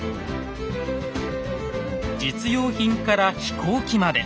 実用品から飛行機まで。